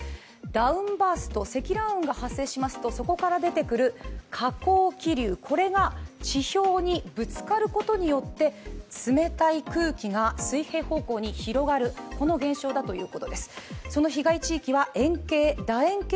ダウンバースト、積乱雲が発生しますとそこから出てくる下降気流、これが地上にぶつかることによって冷たい空気が水平方向に広がる、この現象だということです。